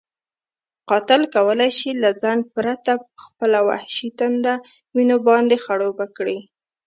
قاتل کولی شي له ځنډ پرته خپله وحشي تنده وینو باندې خړوبه کړي.